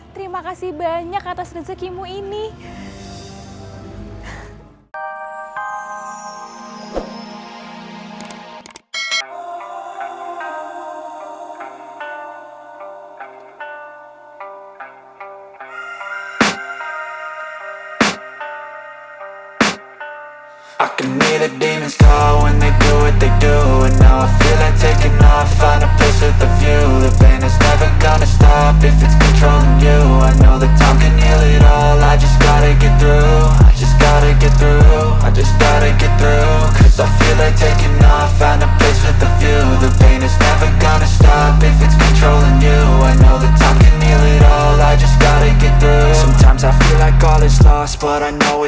terima kasih banyak atas rezekimu ini